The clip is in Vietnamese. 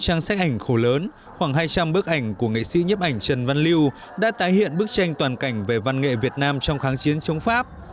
gần hai trăm linh trang sách ảnh khổ lớn khoảng hai trăm linh bức ảnh của nghệ sĩ nhấp ảnh trần văn lưu đã tái hiện bức tranh toàn cảnh về văn nghệ việt nam trong kháng chiến chống pháp